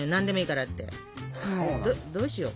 どうしよう？